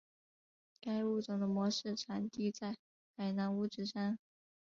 该物种的模式产地在海南五指山。